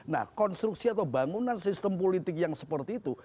nah konstruksi atau bangunan sistem politik yang seperti itu